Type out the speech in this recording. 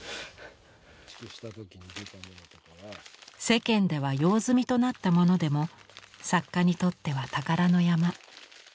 世間では用済みとなったものでも作家にとっては宝の山。